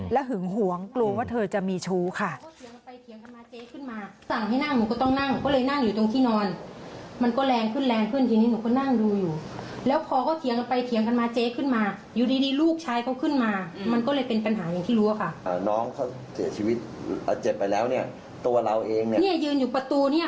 หึงหวงกลัวว่าเธอจะมีชู้ค่ะ